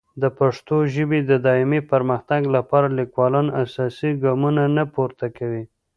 د پښتو ژبې د دایمي پرمختګ لپاره لیکوالان اساسي ګامونه نه پورته کوي.